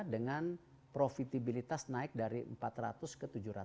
dengan profitabilitas naik dari empat ratus ke tujuh ratus